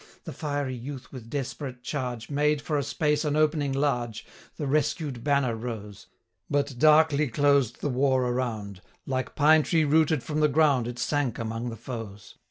The fiery youth, with desperate charge, Made, for a space, an opening large, The rescued banner rose, But darkly closed the war around, 830 Like pine tree rooted from the ground, It sank among the foes.